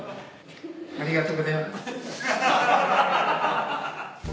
ありがとうございます。